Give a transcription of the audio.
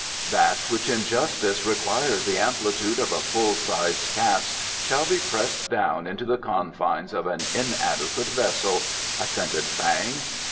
"That which in justice requires the amplitude of a full sized cask shall be pressed down into the confines of an inadequate vessel," assented Fang.